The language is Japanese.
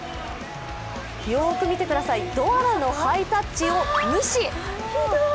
よーく見てくださいドアラのハイタッチを無視！